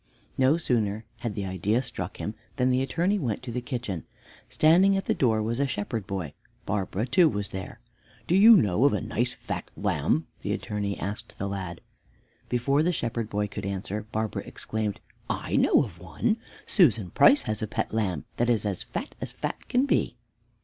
No sooner had the idea struck him than the Attorney went to the kitchen. Standing at the door was a shepherd boy. Barbara, too, was there. "Do you know of a nice fat lamb?" the Attorney asked the lad. Before the shepherd boy could answer, Barbara exclaimed, "I know of one. Susan Price has a pet lamb that is as fat as fat can be."